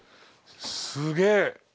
すげえ！